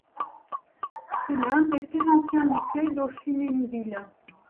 C'est l'un des plus anciens lycées d'Hô-Chi-Minh-Ville.